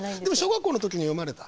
小学校の時に読まれた？